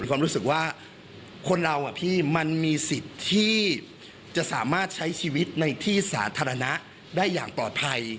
ความรู้สึกว่าคนเรามันมีสิทธิ์ที่จะสามารถใช้ชีวิตในที่สาธารณะได้อย่างปลอดภัย